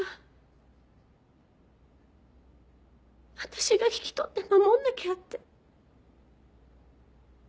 私が引き取って守んなきゃって。